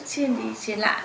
chuyên đi chuyên lại